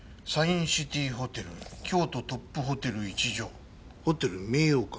シティホテル京都トップホテル一条ホテル明陽館。